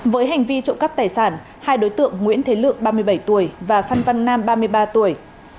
với hành vi trộm cắp tài sản hai đối tượng nguyễn thế lượng ba mươi bảy tuổi và phan văn nam ba mươi ba tuổi